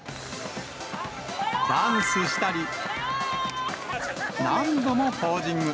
ダンスしたり、何度もポージング。